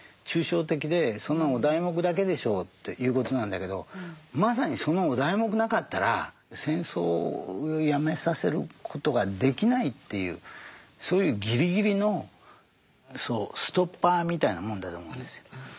抽象的でそんなのお題目だけでしょということなんだけどまさにそのお題目なかったら戦争をやめさせることができないっていうそういうギリギリのそうストッパーみたいなものだと思うんですよ。